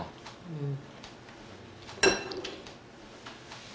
うん。